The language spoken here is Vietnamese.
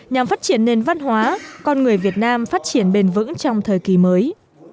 nhằm phát triển nền văn hóa con người việt nam phát triển bền vững trong thời kỳ mới